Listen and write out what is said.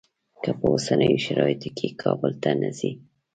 که په اوسنیو شرایطو کې کابل ته نه ځې.